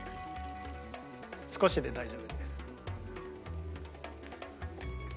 少しで大丈夫です。